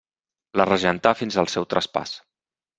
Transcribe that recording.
La regentà fins al seu traspàs.